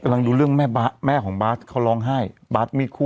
กำลังดูเรื่องแม่ของบาร์ทเค้าร้องไห้บาร์ทมีคู่อะ